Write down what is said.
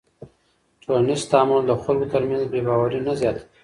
ټولنیز تعامل د خلکو تر منځ بېباوري نه زیاتوي.